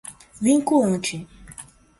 vinculante